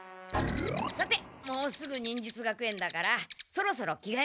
さてもうすぐ忍術学園だからそろそろ着がえなくっちゃ。